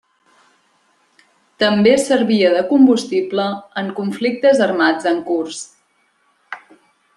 També servia de combustible en conflictes armats en curs.